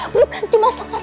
bukan cuma salah satunya